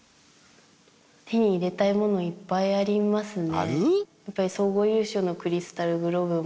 手に入れたいものいっぱいありますね。